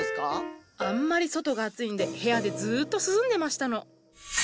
あんまり外が暑いんで部屋でずっと涼んでましたの。